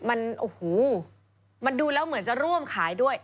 มันดูแล้วเหมือนจะร่วมขายด้วย